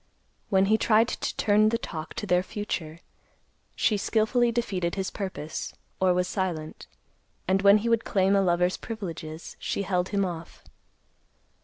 When he tried to turn the talk to their future, she skillfully defeated his purpose, or was silent; and when he would claim a lover's privileges, she held him off.